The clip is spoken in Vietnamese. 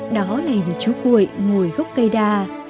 đó là hình chú quệ ngồi gốc cây đa